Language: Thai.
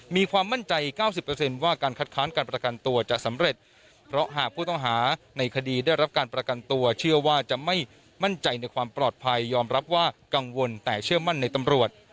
มีความมั่นใจ๙๐ว่าการคัดค้านการประกันตัวจะสำเร็จเพราะหากผู้ต้องหาในคดีได้รับการประกันตัวเชื่อว่าจะไม่มั่นใจในความปลอดภัยยอมรับว่ากังวลแต่เชื่อมั่นในตำรวจ